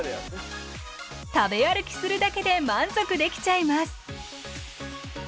食べ歩きするだけで満足できちゃいます。